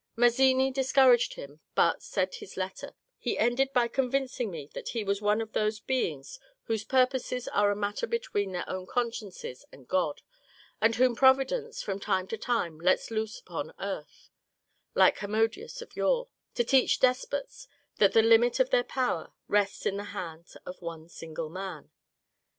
Mazzini discouraged him, but, said his letter, '^ he ended by convincing me that he was one of those beings whose purposes are a matter between their own consciences and God, and whom Providence from time to time lets loose upon earth (like Harmodius of yore) to teach despots that the limit of their power rests in the hand of one single man."